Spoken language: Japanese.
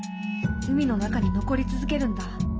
海の中に残り続けるんだ。